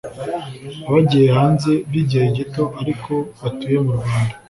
abagiye hanze by’igihe gito ariko batuye mu Rwanda